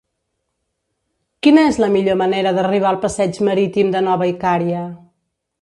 Quina és la millor manera d'arribar al passeig Marítim de Nova Icària?